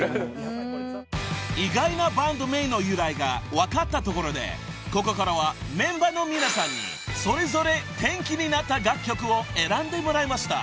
［意外なバンド名の由来が分かったところでここからはメンバーの皆さんにそれぞれ転機になった楽曲を選んでもらいました］